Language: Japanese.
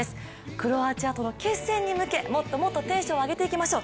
クロアチアとの決戦に向けもっともっとテンションを上げていきましょう。